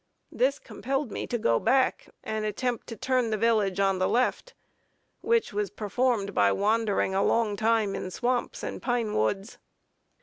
This compelled me to go back, and attempt to turn the village on the left, which was performed by wandering a long time in swamps and pine woods.